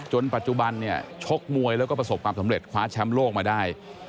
ปัจจุบันเนี่ยชกมวยแล้วก็ประสบความสำเร็จคว้าแชมป์โลกมาได้